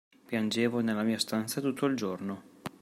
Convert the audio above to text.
Piangevo nella mia stanza tutto il giorno.